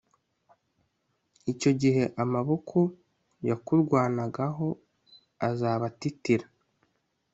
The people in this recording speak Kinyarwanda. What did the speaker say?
icyo gihe amaboko yakurwanagaho azaba atitira